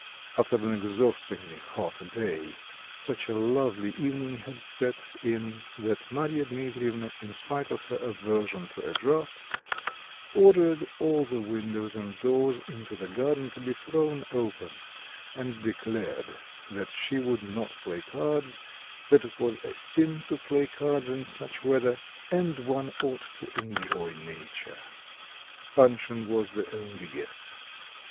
After an exhaustingly hot day, such a lovely evening had set in that Marya Dmitrievna, in spite of her aversion to a draught, ordered all the windows and doors into the garden to be thrown open, and declared that she would not play cards, that it was a sin to play cards in such weather, and one ought to enjoy nature. Panshin was the only guest.